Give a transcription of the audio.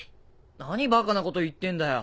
何バカなこと言ってんだよ。